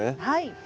はい。